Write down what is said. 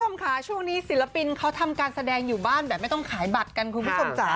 คุณผู้ชมค่ะช่วงนี้ศิลปินเขาทำการแสดงอยู่บ้านแบบไม่ต้องขายบัตรกันคุณผู้ชมจ๋า